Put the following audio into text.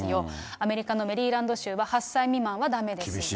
アメリカのメリーランド州は、８歳未満はだめですよと。